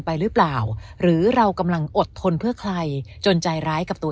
ไปหรือเปล่าหรือเรากำลังอดทนเพื่อใครจนใจร้ายกับตัว